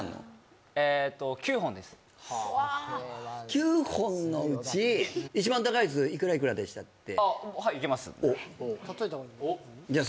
９本のうち、一番高いやついくらでしたっけ。